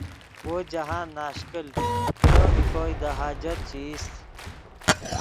وو جاہند ناشکل کلو نے کوئے دے حاجت چے ایست